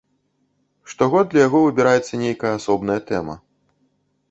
Штогод для яго выбіраецца нейкая асобная тэма.